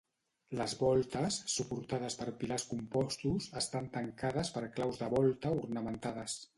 Les voltes, suportades per pilars compostos, estan tancades per claus de volta ornamentades.